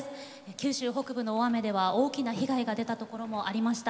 九州北部の大雨では大きいな被害が出たところもありました。